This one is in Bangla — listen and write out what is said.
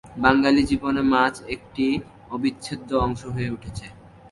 বাঙালী জীবনে মাছ একটি অবিচ্ছেদ্য অংশ হয়ে উঠেছে।